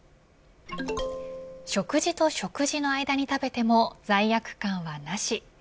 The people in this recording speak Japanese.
食事と食事の間に食べても罪悪感はなし。